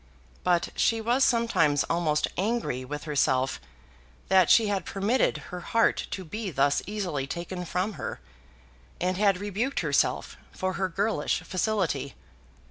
But she was sometimes almost angry with herself that she had permitted her heart to be thus easily taken from her, and had rebuked herself for her girlish facility.